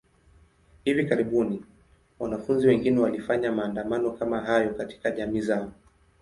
Hivi karibuni, wanafunzi wengine walifanya maandamano kama hayo katika jamii zao.